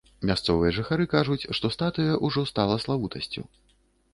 Мясцовыя жыхары кажуць, што статуя ўжо стала славутасцю.